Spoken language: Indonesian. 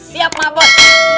siap emak bos